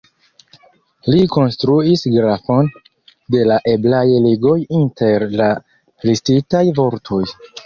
Li konstruis grafon de la eblaj ligoj inter la listitaj vortoj.